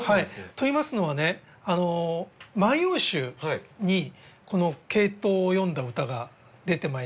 といいますのはね「万葉集」にこのケイトウを詠んだ歌が出てまいりましてね。